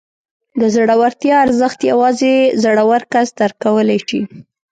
د زړورتیا ارزښت یوازې زړور کس درک کولی شي.